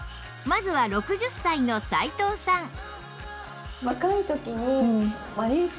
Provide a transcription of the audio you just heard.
まずは６０歳の斉藤さん